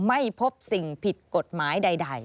ไม่พบสิ่งผิดกฎหมายใด